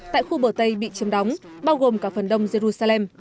tại khu bờ tây bị chiếm đóng bao gồm cả phần đông jerusalem